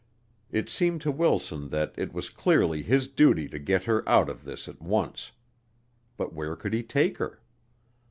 It seemed to Wilson that it was clearly his duty to get her out of this at once. But where could he take her?